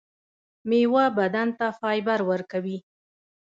میوه بدن ته فایبر ورکوي